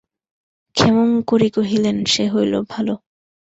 ক্ষেমংকরী কহিলেন, সে হইল ভালো।